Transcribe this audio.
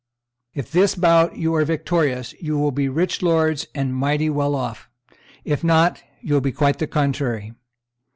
If this bout you are victorious, you will be rich lords and mighty well off; if not, you will be quite the contrary.